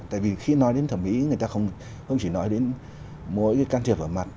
tại vì khi nói đến thẩm mỹ người ta không chỉ nói đến mỗi cái can thiệp ở mặt